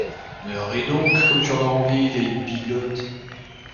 Mais ris donc, comme tu en as envie, vieille bigote!